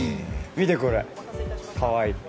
見てこれかわいい